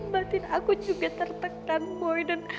batin aku juga tertekan boy dan